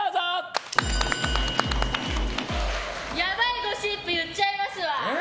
やばいゴシップ言っちゃいますわ。